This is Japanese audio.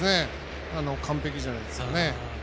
完璧じゃないですかね。